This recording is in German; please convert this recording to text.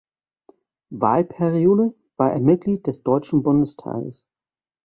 Wahlperiode, war er Mitglied des Deutschen Bundestages.